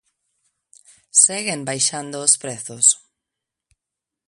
Seguen baixando os prezos.